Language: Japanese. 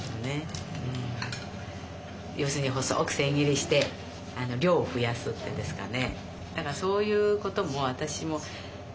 要するに細く千切りして量を増やすってですかね。